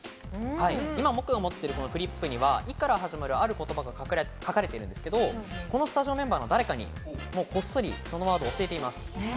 今僕が持っているフリップには「イ」から始まる、ある言葉が書かれているんですが、スタジオメンバーの誰かに、こっそりそのワードを教えています。